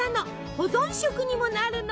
保存食にもなるの。